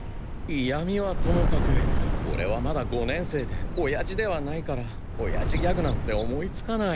イヤミはともかくオレはまだ五年生でオヤジではないからオヤジギャグなんて思いつかない。